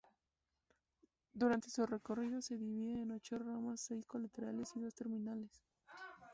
Durante su recorrido, se divide en ocho ramas: seis colaterales y dos terminales.